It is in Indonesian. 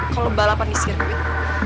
kalau balapan di sirkuit